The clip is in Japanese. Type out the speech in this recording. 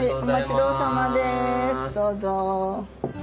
どうぞ。